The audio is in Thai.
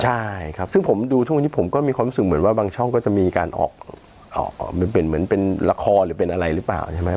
ใช่ครับซึ่งผมดูช่วงนี้ผมก็มีความรู้สึกเหมือนว่าบางช่องก็จะมีการออกเป็นเหมือนเป็นละครหรือเป็นอะไรหรือเปล่าใช่ไหม